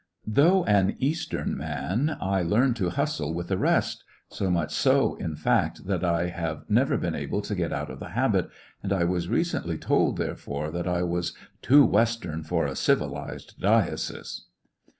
Though an Eastern man^ I learned to hustle Too Western with the rest— so much so, in fact, that I have never been able to get out of the habit, and I was recently told, therefore, that I was "too Western for a civilized diocese."